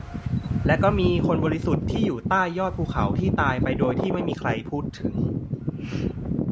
และก็มีคนบริสุทธิ์ที่อยู่ใต้ยอดภูเขาที่ตายไปโดยที่ไม่มีใครพูดถึง